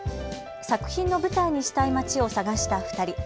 作品の舞台にしたい街を探した２人。